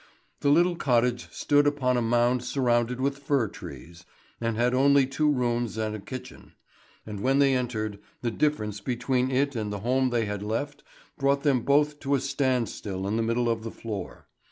The little cottage stood upon a mound surrounded with fir trees, and had only two rooms and a kitchen; and when they entered, the difference between it and the home they had left brought them both to a standstill in the middle of the floor.